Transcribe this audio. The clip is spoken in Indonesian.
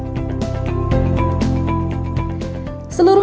seluruh mekanisme pelayanan yang telah kami lakukan